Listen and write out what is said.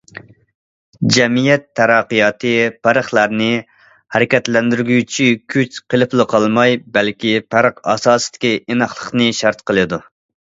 جەمئىيەت تەرەققىياتى پەرقلەرنى ھەرىكەتلەندۈرگۈچى كۈچ قىلىپلا قالماي، بەلكى پەرق ئاساسىدىكى ئىناقلىقنى شەرت قىلىدۇ.